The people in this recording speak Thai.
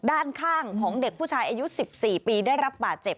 ด้านข้างของเด็กผู้ชายอายุ๑๔ปีได้รับบาดเจ็บ